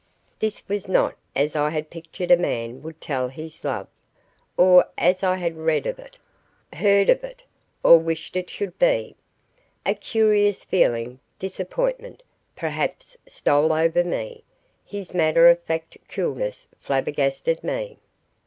This was not as I had pictured a man would tell his love, or as I had read of it, heard of it, or wished it should be. A curious feeling disappointment, perhaps stole over me. His matter of fact coolness flabbergasted me.